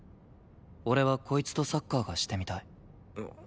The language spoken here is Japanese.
俺はこいつとサッカーがしてみたい。